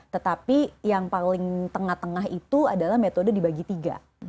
tetapi yang paling tengah tengah itu adalah metode dibagi tiga